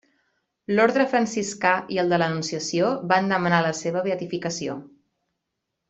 L'orde franciscà i el de l'Anunciació van demanar la seva beatificació.